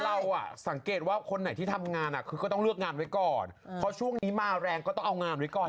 เราอ่ะสังเกตว่าคนไหนที่ทำงานคือก็ต้องเลือกงานไว้ก่อนเพราะช่วงนี้มาแรงก็ต้องเอางานไว้ก่อน